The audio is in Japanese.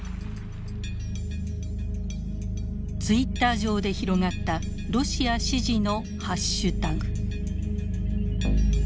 ツイッター上で広がった「ロシア支持」のハッシュタグ。